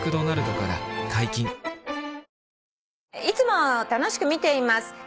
「いつも楽しく見ています。